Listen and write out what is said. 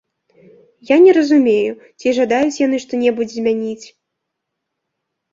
Я не разумею, ці жадаюць яны што-небудзь змяніць.